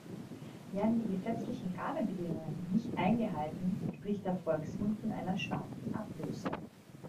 Werden die gesetzlichen Rahmenbedingungen nicht eingehalten, spricht der Volksmund von einer "schwarzen Ablöse".